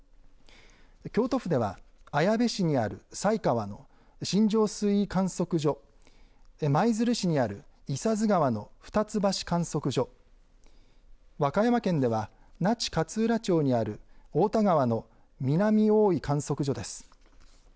京都府では綾部市にある犀川の新庄水位観測所、舞鶴市にある伊佐津川の二ツ橋観測所、和歌山県では那智勝浦町にある太田川の南大居観測所です。